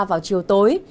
vào chiều tối